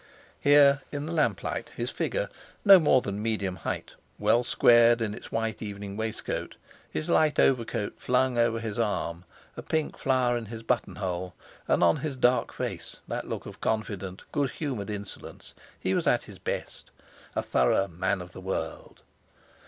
Here, in the lamp light, his figure (no more than medium height), well squared in its white evening waistcoat, his light overcoat flung over his arm, a pink flower in his button hole, and on his dark face that look of confident, good humoured insolence, he was at his best—a thorough man of the world.